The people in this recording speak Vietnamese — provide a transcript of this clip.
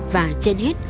và trên hết